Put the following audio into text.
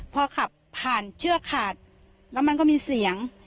พอขับผ่านเชือกขาดแล้วมันก็มีเสียง